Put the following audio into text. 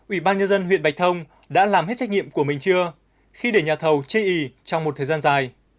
ubnd huyện bạch thông đã làm hết trách nhiệm của mình chưa khi để nhà thầu chê ý trong một thời gian dài